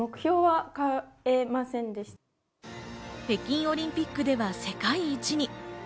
北京オリンピックでは世界一に。